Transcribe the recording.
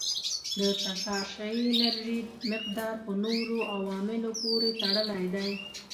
د تشعشعي انرژي مقدار په نورو عواملو پورې تړلی دی.